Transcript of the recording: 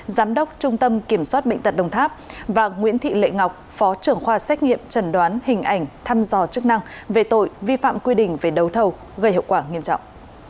giám đốc trung tâm kiểm soát bệnh tật đồng tháp và nguyễn thị lệ ngọc phó trưởng khoa xét nghiệm trần đoán hình ảnh thăm dò chức năng về tội vi phạm quy định về đấu thầu gây hậu quả nghiêm trọng